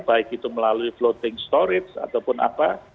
baik itu melalui floating storage ataupun apa